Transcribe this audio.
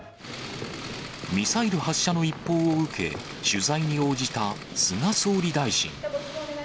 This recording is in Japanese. ミサイル発射の一報を受け、取材に応じた菅総理大臣。